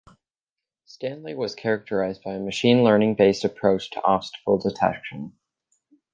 Stanley was characterized by a machine learning based approach to obstacle detection.